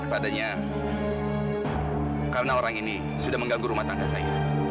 kepadanya karena orang ini sudah mengganggu rumah tangga saya